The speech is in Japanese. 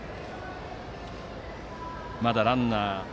まだランナー